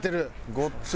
ごっつい。